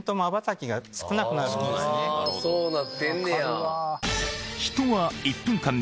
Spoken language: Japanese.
そうなってんねや。